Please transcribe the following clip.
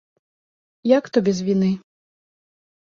Як то без віны?